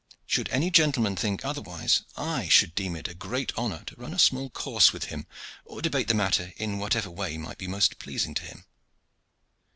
Should any gentleman think otherwise, I should deem it great honor to run a small course with him, or debate the matter in whatever way might be most pleasing to him."